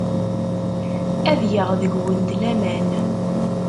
Ad geɣ deg-went laman.